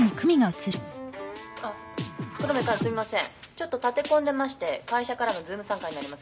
「ちょっと立て込んでまして会社からのＺｏｏｍ参加になります」